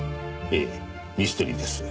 ええミステリーです。